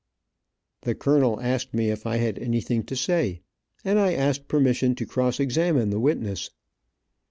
The colonel asked me if I had anything to say, and I asked permission to cross examine the witness.